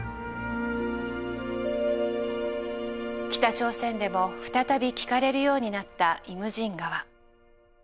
北朝鮮でも再び聴かれるようになった「イムジン河」。